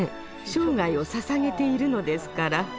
生涯をささげているのですから。